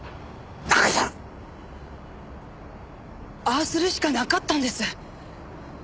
ああするしかなかったんです。